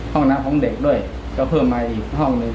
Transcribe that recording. ห้องน้ำของเด็กด้วยก็เพิ่มมาอีกห้องหนึ่ง